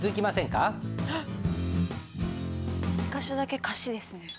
１か所だけ「貸」ですね。